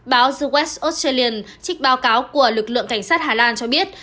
báo the west australian trích báo cáo của lực lượng cảnh sát hà lan cho biết